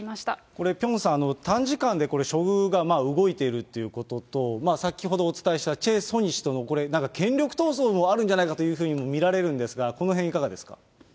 これピョンさん、短時間でこれ、処遇が動いているということと、先ほどお伝えした、チェ・ソニ氏とのなんか権力闘争もあるんじゃないかというふうに見られるんですが、このへんいかがですか。